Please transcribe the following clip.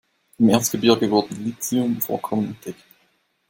Im Erzgebirge wurden Lithium-Vorkommen entdeckt.